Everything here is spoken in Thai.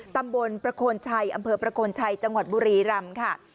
ตำบลประโคนชัยอำเภอประโคนชัยจังหวัดบุรีรำค่ะ